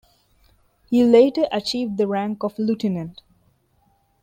He later achieved the rank of lieutenant.